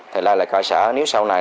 thì đây là cơ sở nếu sau này